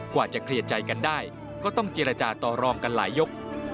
กว่าจะเคลียร์ใจกันได้ก็ต้องเจรจาต่อรองกันหลายยก